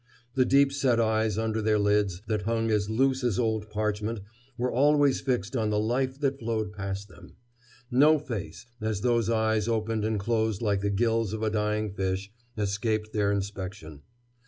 The deep set eyes under their lids that hung as loose as old parchment were always fixed on the life that flowed past them. No face, as those eyes opened and closed like the gills of a dying fish, escaped their inspection.